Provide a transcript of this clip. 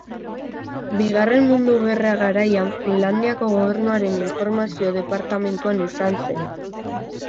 Bigarren Mundu Gerra garaian Finlandiako gobernuaren informazio departamentuan izan zen.